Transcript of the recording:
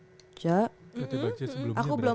satya bagja sebelumnya berarti ya aku belum